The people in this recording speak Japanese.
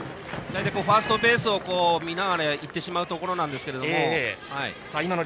ファーストベースを見ながら行ってしまうところですが。